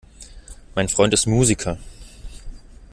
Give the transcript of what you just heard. Mein Freund ist Musiker.